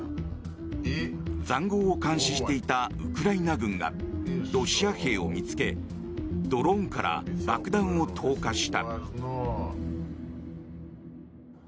塹壕を監視していたウクライナ軍がロシア兵を見つけドローンから爆弾を投下した。